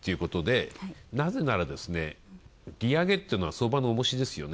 なぜなら、利上げってのは相場の重しですよね。